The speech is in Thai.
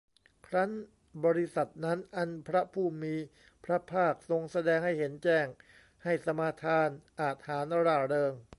ครั้นบริษัทนั้น อันพระผู้มีพระภาคทรงแสดงให้เห็นแจ้ง ให้สมาทาน อาจหาญ ร่าเริง